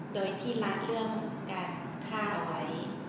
โดยที่รักเรื่องการฆ่าเอาไว้